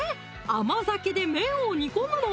甘酒で麺を煮込むの？